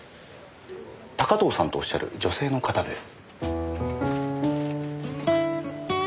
高塔さんとおっしゃる女性の方です。